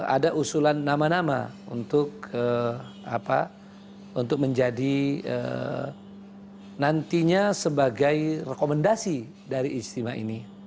ada usulan nama nama untuk menjadi nantinya sebagai rekomendasi dari istimewa ini